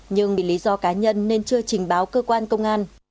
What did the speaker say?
nhưng vì lý do cá nhân nên chưa trình báo cơ quan công an